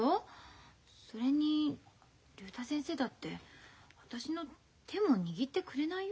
それに竜太先生だって私の手も握ってくれないよ？